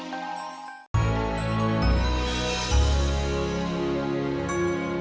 saya akan memiliki seluruh perkebunan ini